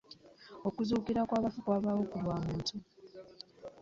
Okuzuukira kw'abafu kwabaawo ku bwa muntu.